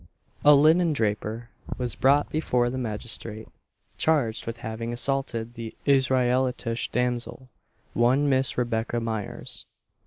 A linen draper was brought before the magistrate charged with having assaulted an Israelitish damsel one Miss Rebecca Myers.